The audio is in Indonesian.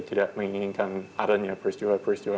tidak menginginkan adanya peristiwa peristiwa